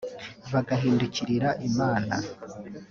bagahindukirira Imana